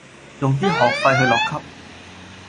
用啲學費去落 Club